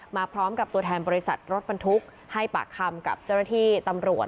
มาพร้อมกับตัวแทนบริษัทรถบรรทุกให้ปากคำกับเจ้าหน้าที่ตำรวจ